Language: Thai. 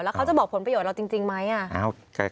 เขาจะบอกผลประโยชน์เราจริงไหม